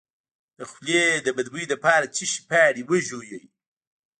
د خولې د بد بوی لپاره د څه شي پاڼې وژويئ؟